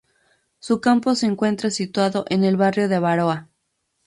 Su campo se encuentra situado en el barrio de Abaroa.